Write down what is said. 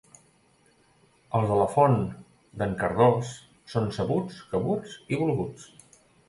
Els de la Font d'en Cardós són sabuts, cabuts i volguts.